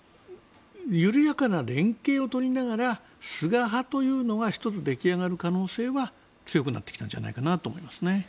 ただ、緩やかな連携を取りながら菅派というのが１つ出来上がる可能性は強くなってきたんじゃないかと思います。